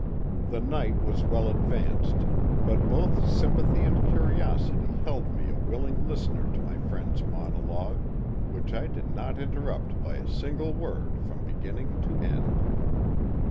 The night was well advanced, but both sympathy and curiosity held me a willing listener to my friend's monologue, which I did not interrupt by a single word from beginning to end.